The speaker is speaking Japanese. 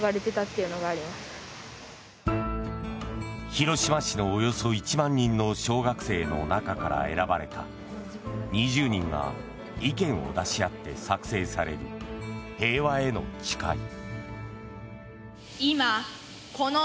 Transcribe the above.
広島市のおよそ１万人の小学生の中から選ばれた２０人が意見を出し合って作成される「平和への誓い」。